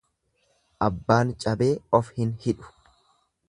Abbaan cabee of hin hidhu.